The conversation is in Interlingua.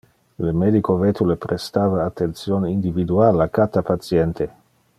Le medico vetule prestava attention individual a cata patiente.